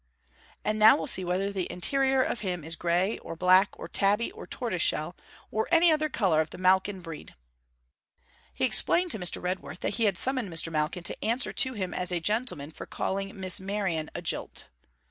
And now we'll see whether the interior of him is grey, or black, or tabby, or tortoise shell, or any other colour of the Malkin breed.' He explained to Mr. Redworth that he had summoned Mr. Malkin to answer to him as a gentleman for calling Miss Merion a jilt.